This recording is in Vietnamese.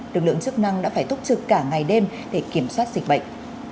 lực lượng chức năng đã phải túc trực cả ngày đêm để kiểm soát dịch bệnh